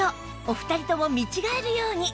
お二人とも見違えるように